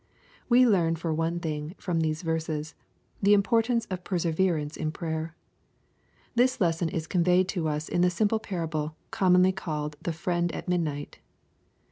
We learn for one thing, from these verses, the impor tance of perseverance in prayer. This lesson is conveyed to us in the simple parable, commonly called the "Friend at Midnight."